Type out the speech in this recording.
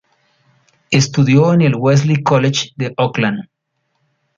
Estudió en el Wesley College de Auckland.